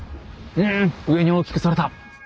うん上に大きくそれた。